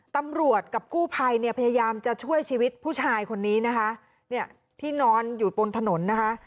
ตำรวจกับกู้ภัยเนี่ยพยายามจะช่วยชีวิตผู้ชายคนนี้นะคะเนี่ยที่นอนอยู่บนถนนนะคะ